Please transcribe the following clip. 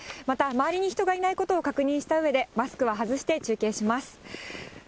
また周りに人がいないことを確認したうえで、マスクは外して中継します。